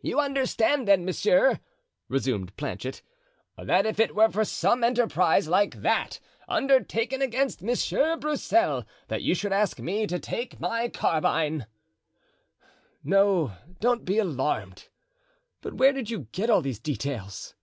"You understand, then, monsieur," resumed Planchet, "that if it were for some enterprise like that undertaken against Monsieur Broussel that you should ask me to take my carbine——" "No, don't be alarmed; but where did you get all these details?"